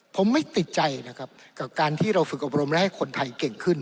ผมไม่ติดใจนะครับกับการที่เราฝึกอบรมและให้คนไทยเก่งขึ้น